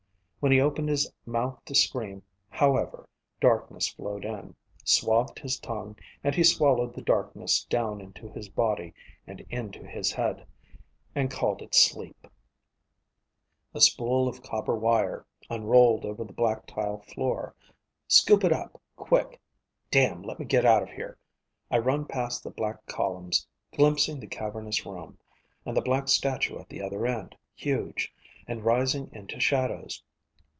When he opened his mouth to scream, however, darkness flowed in, swathed his tongue, and he swallowed the darkness down into his body and into his head, and called it sleep _A spool of copper wire unrolled over the black tile floor. Scoop it up quick. Damn, let me get out of here. I run past the black columns, glimpsing the cavernous room, and the black statue at the other end, huge, and rising into shadows.